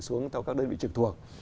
xuống theo các đơn vị trực thuộc